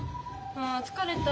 あ疲れた。